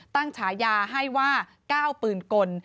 ตั้งฉายาให้ว่าก้าวปืนกล